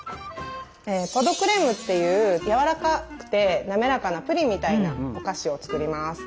「ポ・ド・クレーム」っていうやわらかくて滑らかなプリンみたいなお菓子を作ります。